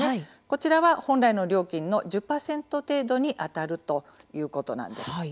こちらは本来の料金の１０％程度にあたるということなんです。